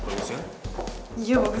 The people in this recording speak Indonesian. iya bagus banget